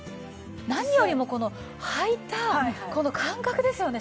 何よりもこのはいた感覚ですよね。